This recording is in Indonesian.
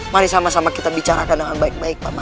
mari sama sama kita bicarakan dengan baik baik